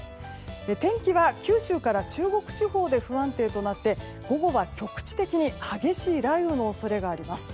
天気は九州から中国地方で不安定となって午後は局地的に激しい雷雨の恐れがあります。